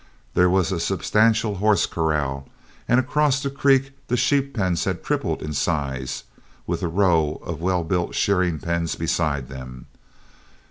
There was a substantial horse corral, and across the creek the sheep pens had tripled in size, with a row of well built shearing pens beside them.